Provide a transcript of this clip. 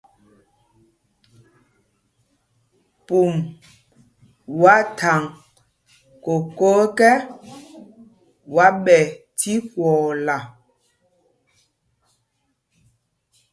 Pûm wá thaŋ kokō ekɛ, wá ɓɛ tí kwɔɔla.